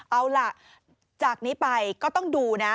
เอาล่ะจากนี้ไปก็ต้องดูนะ